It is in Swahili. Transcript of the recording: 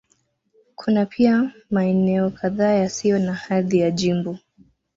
Kuna pia maeneo kadhaa yasiyo na hadhi ya jimbo.